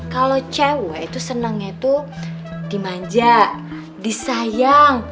kalo cewek itu senengnya tuh dimanja disayang